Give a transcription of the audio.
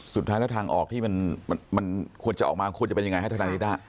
สุดท้ายแล้วทางออกที่มันควรจะออกมาควรจะเป็นอย่างไรให้ธนาฬิกา